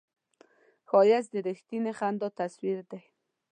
ښایست د رښتینې خندا تصویر دی